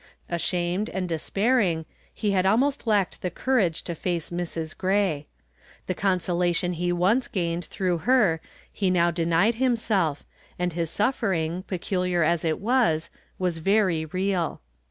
Ashamed and despairing, he had almost lacked the courage to face Mrs. Gray. The consolation he once gained through her he now denied himself and his suffering, peculiar as it was, was very real.